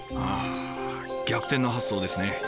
あ逆転の発想ですね。